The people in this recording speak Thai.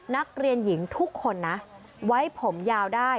นักเรียนหญิงทุกคนนะไว้ผมยาวได้